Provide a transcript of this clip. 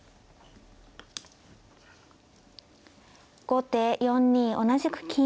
後手４二同じく金。